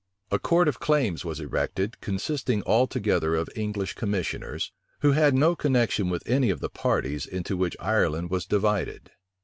A court of claims was erected, consisting altogether of English commissioners, who had no connection with any of the parties into which Ireland was divided.